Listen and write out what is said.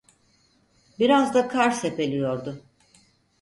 Biraz da kar sepeliyordu…